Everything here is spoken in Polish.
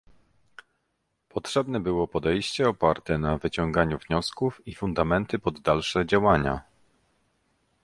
Potrzebne było podejście oparte na "wyciąganiu wniosków" i fundamenty pod dalsze działania